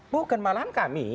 bukan malahan kami